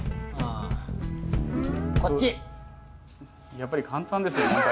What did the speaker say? やっぱり簡単ですね問題。